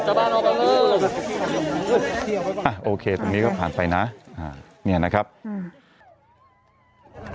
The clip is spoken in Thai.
ชาวบ้านเขาก็เลิกอ่ะโอเคตรงนี้ก็ผ่านไปนะอ่าเนี่ยนะครับอืม